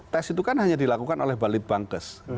tes itu kan hanya dilakukan oleh balit bangkes